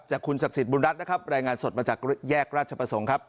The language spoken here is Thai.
จากคุณศักดิ์สิทธิบุญรัฐนะครับรายงานสดมาจากแยกราชประสงค์ครับ